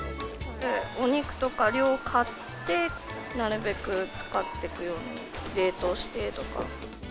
お肉とか量買って、なるべく使っていくように、冷凍してとか。